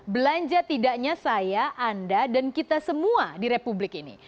belanja tidaknya saya anda dan kita semua di republik ini